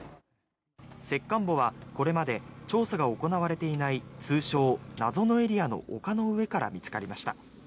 石棺墓はこれまで調査が行われていない通称、謎のエリアの丘の上から見つかりました。